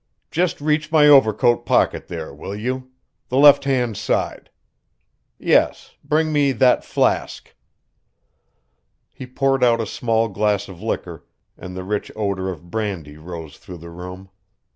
Just reach my overcoat pocket there, will you? the left hand side. Yes, bring me that flask." He poured out a small glass of liquor, and the rich odor of brandy rose through the room.